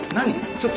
ちょっと。